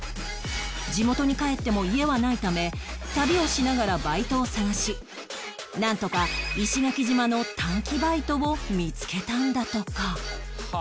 地元に帰っても家はないため旅をしながらバイトを探しなんとか石垣島の短期バイトを見つけたんだとか